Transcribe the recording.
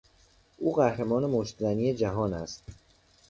او قهرمان مشتزنی جهان است.